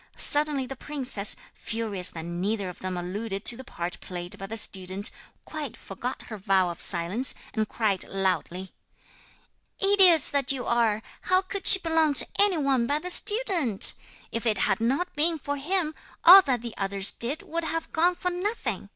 Suddenly the princess, furious that neither of them alluded to the part played by the student, quite forgot her vow of silence and cried loudly: 'Idiots that you are! how could she belong to any one but the student? If it had not been for him, all that the others did would have gone for nothing!